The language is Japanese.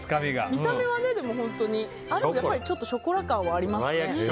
見た目はやっぱりちょっとショコラ感はありますね。